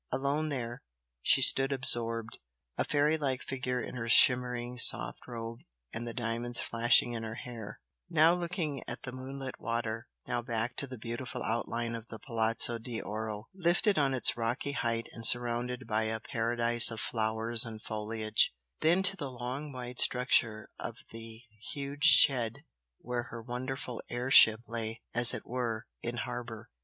Alone there, she stood absorbed, a fairylike figure in her shimmering soft robe and the diamonds flashing in her hair now looking at the moonlit water, now back to the beautiful outline of the Palazzo d'Oro, lifted on its rocky height and surrounded by a paradise of flowers and foliage then to the long wide structure of the huge shed where her wonderful air ship lay, as it were, in harbour.